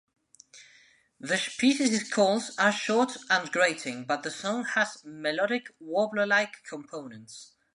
The species' calls are short and grating, but the song has melodic warbler-like components.